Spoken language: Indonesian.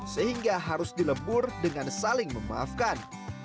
sehingga harus dilebur dengan saling memaafkan